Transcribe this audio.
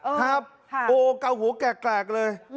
โอ้โหกล่าวหัวแกลกเลย